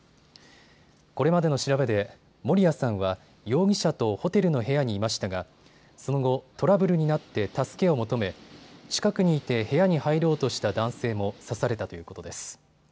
これまでの調べで守屋さんは容疑者とホテルの部屋にいましたがその後、トラブルになって助けを求め近くにいて部屋に入ろうとした男性も刺されたということです。